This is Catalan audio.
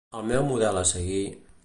El meu model a seguir...